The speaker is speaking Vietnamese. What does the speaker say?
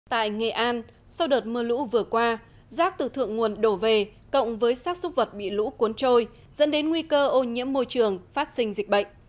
tại nghệ an sau đợt mưa lũ vừa qua rác từ thượng nguồn đổ về cộng với sát súc vật bị lũ cuốn trôi dẫn đến nguy cơ ô nhiễm môi trường phát sinh dịch bệnh